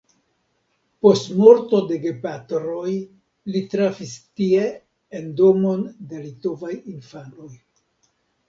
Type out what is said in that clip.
Post morto de gepatroj li trafis tie en domon de litovaj infanoj.